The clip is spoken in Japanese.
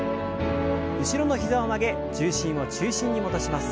後ろの膝を曲げ重心を中心に戻します。